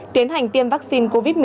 tiến hành tiêm vaccine covid một mươi chín